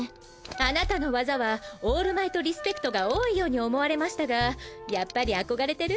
あなたの技はオールマイトリスペクトが多いように思われましたがやっぱり憧れてる？